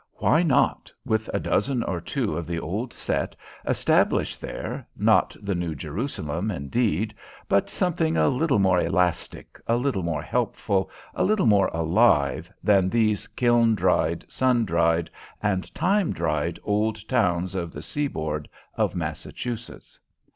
Why not, with a dozen or two of the old set, establish there, not the New Jerusalem, indeed, but something a little more elastic, a little more helpful, a little more alive, than these kiln dried, sun dried, and time dried old towns of the seaboard of Massachusetts?